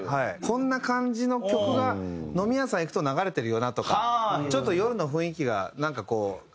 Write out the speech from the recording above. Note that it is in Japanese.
こんな感じの曲が飲み屋さん行くと流れてるよなとかちょっと夜の雰囲気がなんかこう垣間見えるよなとか。